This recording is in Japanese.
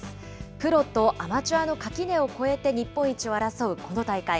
プロとアマチュアの垣根を越えて日本一を争うこの大会。